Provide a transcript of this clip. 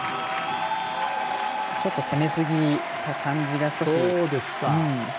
ちょっと攻めすぎた感じが少し。